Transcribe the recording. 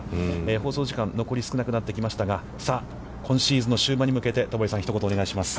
放送時間、残り少なくなってきましたが、さあ今シーズンの終盤に向けて戸張さん、一言お願いします。